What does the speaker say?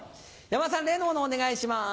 山田さん例の物お願いします。